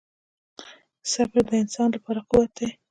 • صبر د انسان لپاره قوت دی.